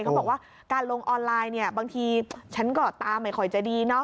เขาบอกว่าการลงออนไลน์บางทีฉันก็ตาใหม่คอยจะดี